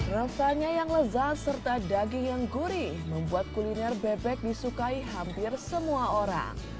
rasanya yang lezat serta daging yang gurih membuat kuliner bebek disukai hampir semua orang